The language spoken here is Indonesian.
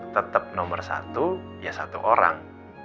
tetap nomor satu ya satu orang